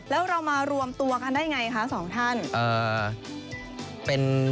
แล้วเรามารวมตัวกันได้ไงคะสองท่าน